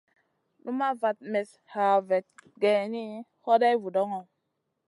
Numaʼ vat mestn hè vat geyni, hoday vudoŋo.